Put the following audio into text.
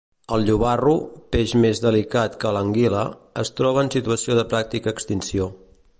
El llobarro, peix més delicat que l'anguila, es troba en situació de pràctica extinció.